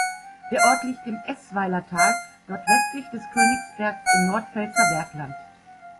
Der Ort liegt im Eßweiler Tal nordwestlich des Königsbergs im Nordpfälzer Bergland.